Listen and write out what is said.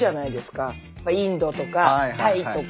インドとかタイとか。